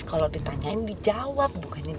kalau ditanyain dijawab bukannya diem